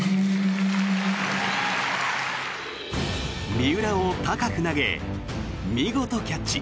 三浦を高く投げ、見事キャッチ。